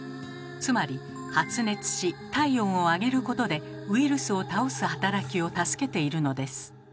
つまり発熱し体温を上げることでウイルスを倒す働きを助けているのです。